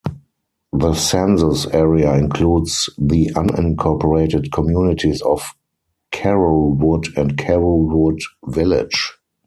The census area includes the unincorporated communities of Carrollwood and Carrollwood Village.